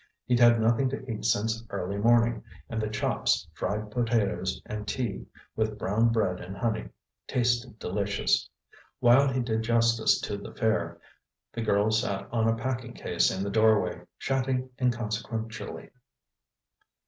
He'd had nothing to eat since early morning, and the chops, fried potatoes and tea, with brown bread and honey, tasted delicious. While he did justice to the fare, the girl sat on a packing case in the doorway, chatting inconsequentially.